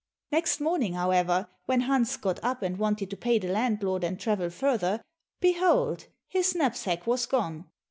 Next morning, however, when Hans got up and wanted to pay the landlord and travel further, behold his knapsack was gone!